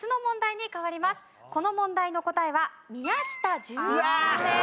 この問題の答えは宮下純一さんです。